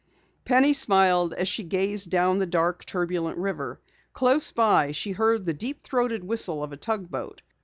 Penny smiled as she gazed down the dark, turbulent river. Close by she heard the deep throated whistle of a tug boat.